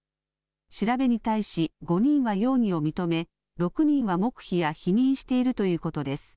調べに対し５人は容疑を認め６人は黙秘や否認しているということです。